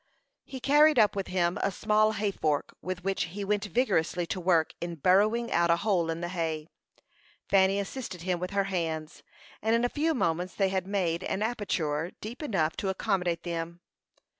He carried up with him a small hay fork, with which he went vigorously to work in burrowing out a hole in the hay. Fanny assisted him with her hands, and in a few moments they had made an aperture deep enough to accommodate them.